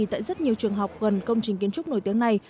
tại rất nhiều trường học gần công trình kiến trúc nổi tiếng này